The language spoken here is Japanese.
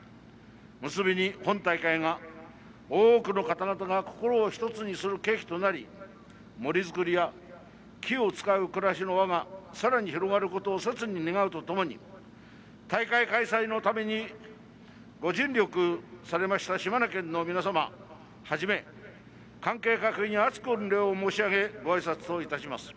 結びに、本大会が多くの方々が心を１つにする契機となり森づくりや木を使う暮らしの輪がさらに広がることを切に願うとともに大会開催のためにご尽力されました島根県の皆様はじめ関係各位に厚く御礼を申し上げご挨拶といたします。